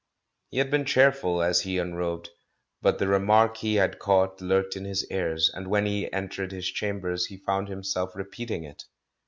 He had been cheerful as he unrobed, but the re mark he had caught lurked in his ears, and when he entered his chambers he found himself repeat ing it.